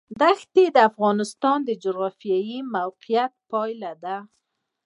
دښتې د افغانستان د جغرافیایي موقیعت پایله ده.